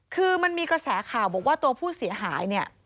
คือมันมีกระแสข่าวบอกว่าตัวผู้เสียหายเนี่ย